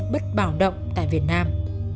bất bảo động tại việt nam